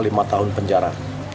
lima tahun penjara